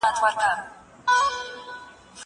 زه پرون کتاب وليکه!